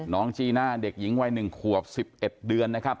น้องจีน่าเด็กหญิงวัย๑ขวบ๑๑เดือนนะครับ